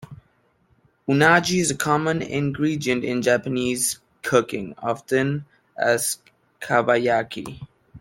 Unagi is a common ingredient in Japanese cooking, often as kabayaki.